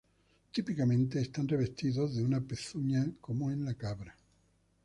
Típicamente están revestidos de una pezuña como en la cabra.